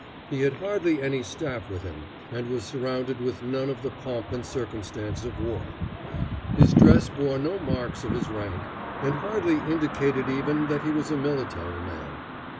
He had hardly any staff with him, and was surrounded with none of the pomp and circumstance of war. His dress bore no marks of his rank, and hardly indicated even that he was a military man.